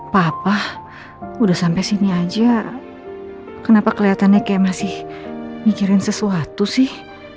papa udah sampai sini aja kenapa kelihatannya kayak masih mikirin sesuatu sih